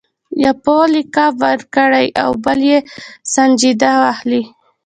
یو لقب ورکړي او بل یې سنجیده واخلي.